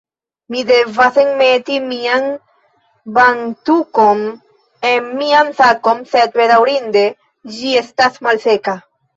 Mi devas enmeti mian bantukon en mian sakon sed bedaŭrinde ĝi estas malseka